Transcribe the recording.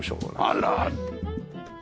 あら！